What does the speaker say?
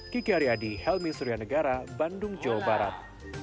kiki aryadi helmi suryanegara bandung jawa barat